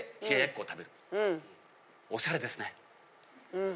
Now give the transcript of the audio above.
うん。